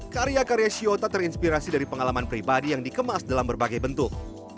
karya karya shiota terinspirasi dari pengalaman pribadi yang dikemas dalam berbagai bentuk